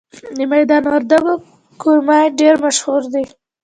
د میدان وردګو کرومایټ ډیر مشهور دی.